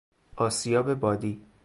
آسیاب بادی